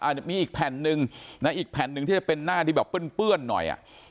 จะมีอีกแผ่นหนึ่งนะอีกแผ่นหนึ่งที่จะเป็นหน้าที่แบบเปื้อนหน่อย